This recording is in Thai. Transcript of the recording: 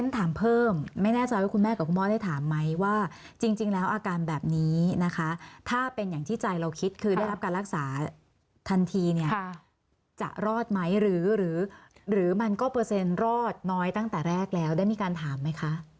ถามเพิ่มไม่แน่ใจว่าคุณแม่กับคุณพ่อได้ถามไหมว่าจริงแล้วอาการแบบนี้นะคะถ้าเป็นอย่างที่ใจเราคิดคือได้รับการรักษาทันทีเนี่ยจะรอดไหมหรือมันก็เปอร์เซ็นต์รอดน้อยตั้งแต่แรกแล้วได้มีการถามไหมคะ